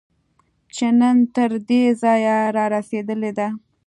چې نن تر دې ځایه رارسېدلې ده